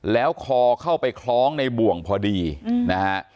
แล้วคอเข้าไปคล้องในบ่วงพอดีนะฮะ